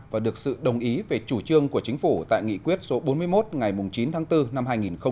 và được sự đồng ý về chủ trương của chính phủ tại nghị quyết số bốn mươi một ngày chín tháng bốn năm hai nghìn một mươi chín